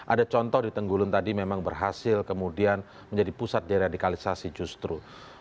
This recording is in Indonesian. ada contoh di tenggulun tadi memang berhasil kemudian menjadi pusat deradikalisasi justru